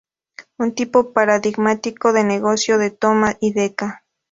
Un tipo paradigmático de negocio de "toma y daca".